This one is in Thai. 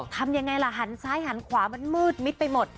ทำยังไงล่ะหันซ้ายหันขวามันมืดมิดไปหมด